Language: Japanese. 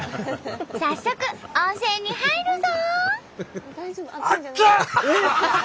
早速温泉に入るぞ！